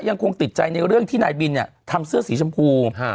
ยังคงติดใจในเรื่องที่นายบินเนี่ยทำเสื้อสีชมพู